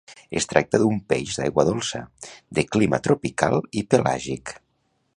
Es tracta d'un peix d'aigua dolça, de clima tropical i pelàgic.